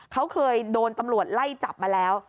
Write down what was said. เขาเคยโดนตำรวจไล่จับมาแล้ว